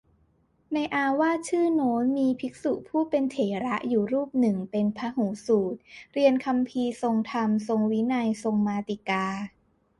ในอาวาสชื่อโน้น มีภิกษุผู้เป็นเถระอยู่รูปหนึ่งเป็นพหูสูตร เรียนคำภีร์ ทรงธรรม ทรงวินัย ทรงมาติกา